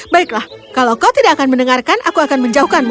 baiklah kalau kau tidak akan mendengarkan aku akan menjauhkanmu